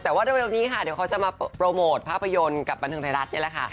แต่ว่าเร็วนี้ค่ะเดี๋ยวเขาจะมาโปรโมทภาพยนตร์กับบันเทิงไทยรัฐนี่แหละค่ะ